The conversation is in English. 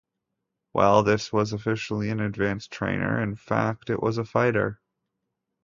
While this was officially an advanced trainer, in fact it was a fighter.